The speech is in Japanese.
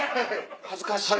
恥ずかしい。